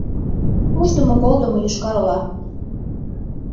Уждымо-колдымо Йошкар-Ола...